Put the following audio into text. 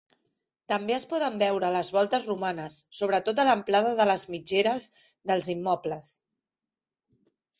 També es poden veure les voltes romanes sobretot a l'amplada de les mitgeres dels immobles.